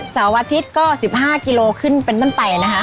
เสาร์วันอาทิตย์ก็สิบห้ากิโลขึ้นเป็นตั้งแต่นะคะ